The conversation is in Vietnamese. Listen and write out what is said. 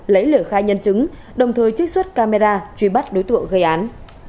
lấy lời khai nhân chứng đồng thời trích xuất camera truy bắt đối tượng gây án